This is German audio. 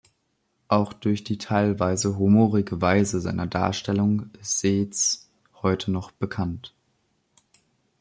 Auch durch die teilweise humorige Weise seiner Darstellungen ist Seitz heute noch bekannt.